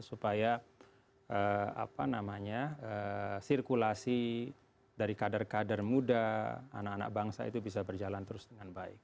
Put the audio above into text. supaya sirkulasi dari kader kader muda anak anak bangsa itu bisa berjalan terus dengan baik